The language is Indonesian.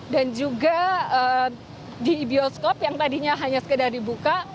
dan juga di bioskop yang tadinya hanya sekedar dibuka